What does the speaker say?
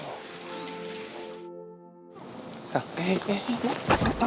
ntar aku udah jemput lo star